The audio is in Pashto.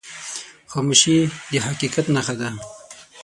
خاموشي، د حقیقت نښه ده.